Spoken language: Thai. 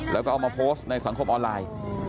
แล้วก็เอามาโพสต์ในสังคมออนไลน์